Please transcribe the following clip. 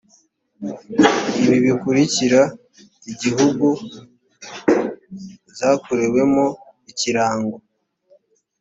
ibi bikurikira igihugu zakorewemo ikirango